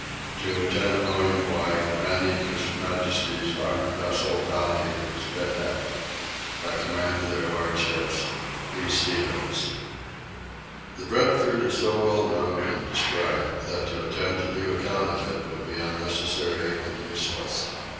To Lieutenant William Bligh, commanding His Majesty's armed vessel Bounty, Spithead. By command of their Lordships, P. Stephens. ... The Breadfruit is so well known and described that to attempt a new account of it would be unnecessary and useless.